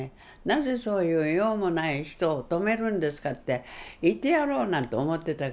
「なぜそういう用もない人を止めるんですか？」っていってやろうなんて思ってた。